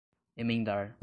emendar